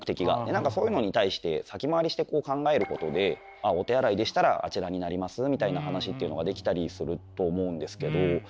何かそういうのに対して先回りしてこう考えることで「お手洗いでしたらあちらになります」みたいな話っていうのができたりすると思うんですけど。